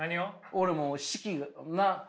俺もう式な。